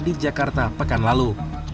di jakarta pekan lalu